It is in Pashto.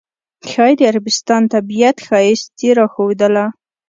ښایي د عربستان طبیعت ښایست یې راښودله.